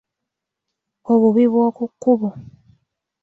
Obubi bw’oku kkubo.